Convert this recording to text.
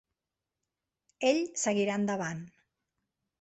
Ell seguirà endavant.